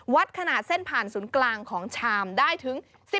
ขนาดเส้นผ่านศูนย์กลางของชามได้ถึง